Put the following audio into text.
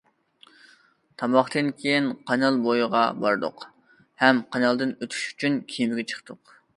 تاماقتىن كېيىن قانال بويىغا باردۇق ھەم قانالدىن ئۆتۈش ئۈچۈن كېمىگە چىقتۇق.